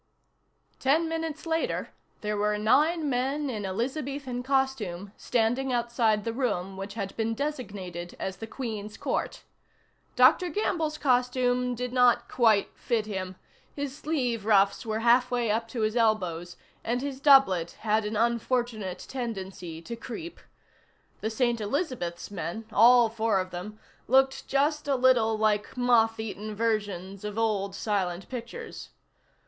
Ten minutes later, there were nine men in Elizabethan costume standing outside the room which had been designated as the Queen's Court. Dr. Gamble's costume did not quite fit him; his sleeve ruffs were half way up to his elbows and his doublet had an unfortunate tendency to creep. The St. Elizabeths men, all four of them, looked just a little like moth eaten versions of old silent pictures.